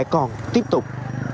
còn tiếp tục